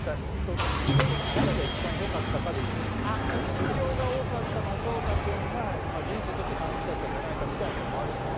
副業が多かった松岡君が人生としては楽しかったんじゃないかみたいなのでもあり。